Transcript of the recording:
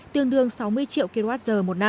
tương đương sáu mươi kwh